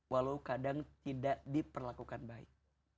walau kadang tidak diperlakukan baik